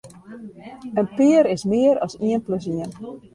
In pear is mear as ien plus ien.